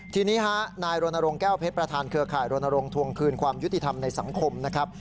ทีนี้ฮะนายรณรงค์แก้วเพชรประธานเครือข่ายรณรงค์ทวงคืนความยุติธรรมในสังคมนะครับ